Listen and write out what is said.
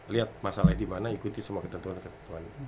lihat masalah dimana ikuti semua ketentuan ketentuan